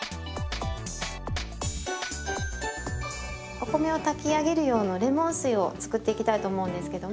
お米を炊き上げる用のレモン水を作っていきたいと思うんですけども。